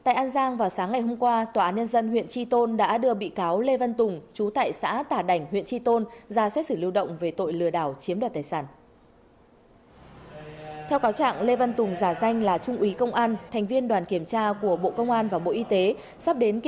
các bạn hãy đăng kí cho kênh lalaschool để không bỏ lỡ những video hấp dẫn